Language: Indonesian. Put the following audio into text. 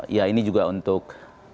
ya ini juga untuk